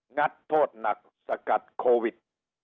ัดโทษหนักสกัดโควิด